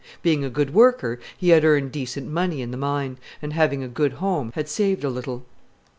Being a good worker he had earned decent money in the mine, and having a good home had saved a little.